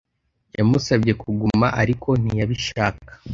Yamusabye kuguma, ariko ntiyabishaka.